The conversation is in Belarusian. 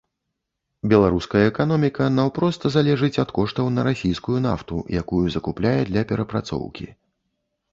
Беларуская эканоміка наўпрост залежыць ад коштаў на расійскую нафту, якую закупляе для перапрацоўкі.